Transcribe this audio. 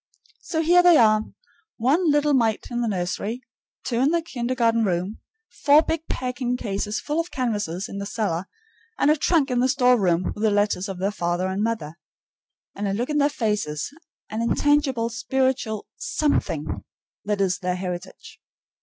So here they are, one little mite in the nursery, two in the kindergarten room, four big packing cases full of canvases in the cellar, and a trunk in the store room with the letters of their father and mother. And a look in their faces, an intangible spiritual SOMETHING, that is their heritage.